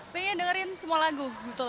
leni yang dengerin semua lagu